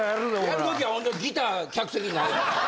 やる時はほんとギター客席に投げる。